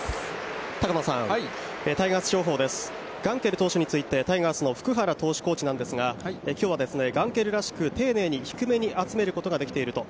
高野さん、タイガース情報です、ガンケル投手についてタイガースの福原投手コーチなんですがきょうはですね、ガンケルらしく、丁寧に低めに集めることができていると。